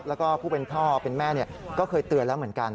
แล้วก็ผู้เป็นพ่อเป็นแม่ก็เคยเตือนแล้วเหมือนกัน